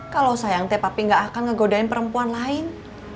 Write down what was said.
kalau sayang teh papih gak akan ngegodain perempuan lain